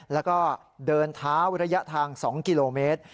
แล้วก็เดินเท้าระยะทาง๒กิโลเมตร